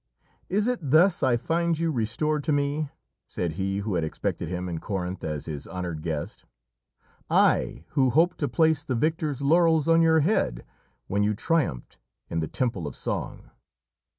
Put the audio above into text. "Is it thus I find you restored to me?" said he who had expected him in Corinth as his honoured guest; "I who hoped to place the victor's laurels on your head when you triumphed in the temple of song!"